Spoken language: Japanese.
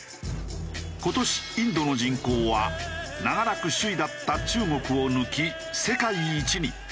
今年インドの人口は長らく首位だった中国を抜き世界一に。